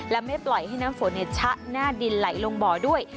และไม่ปล่อยให้น้ำฝนชะหน้าดินไหลลงบ่อด้วย